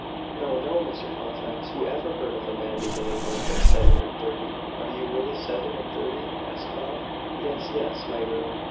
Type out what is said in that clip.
"No, no, Mr. Halifax, who ever heard of a man beginning life at seven and thirty?" "Are you really seven and thirty?" asked Maud. "Yes yes, my girl.